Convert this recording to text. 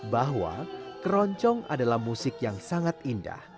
bahwa keroncong adalah musik yang sangat indah